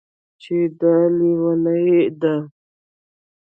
چې دا لېونۍ ده